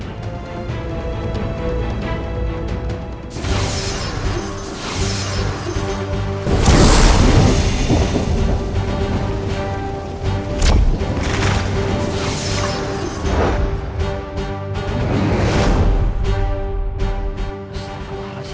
dia tidak akan bisa melihat gerak jurusku kali ini